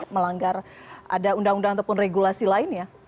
melanggar ada undang undang ataupun regi yang berbeda ini ya